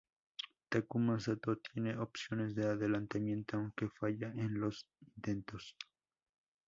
Takuma Satō tiene opciones de adelantamiento, aunque falla en los intentos.